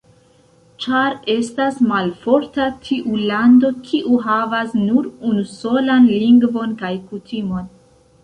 Ĉar estas malforta tiu lando, kiu havas nur unusolan lingvon kaj kutimon.